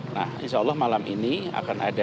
nah insya allah malam ini akan ada